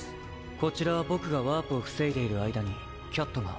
こちらは僕がワープを防いでいる間にキャットが。